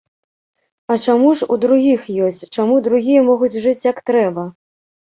А чаму ж у другіх ёсць, чаму другія могуць жыць як трэба.